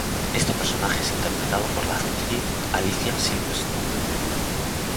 Este personaje es interpretado por la actriz Alicia Silverstone.